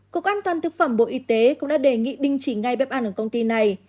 cục an toàn thực phẩm bộ y tế cũng đã đề nghị đình chỉ ngay bếp ăn ở công ty này